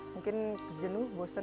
mungkin jenuh bosan